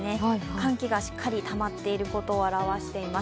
寒気がしっかりたまっていることを表しています。